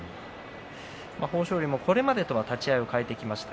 豊昇龍も、これまでとは立ち合いを変えてきました。